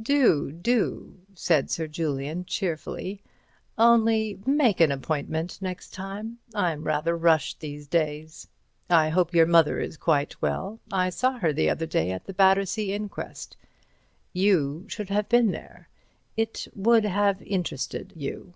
"Do—do—" said Sir Julian. cheerfully. "Only make an appointment another time. I'm rather rushed these days. I hope your mother is quite well. I saw her the other day at that Battersea inquest. You should have been there. It would have interested you."